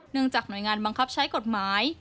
จากหน่วยงานบังคับใช้กฎหมาย